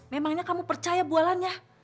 memangnya kamu percaya bualannya